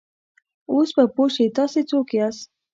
اوس به پوه شې، تاسې څوک یاست؟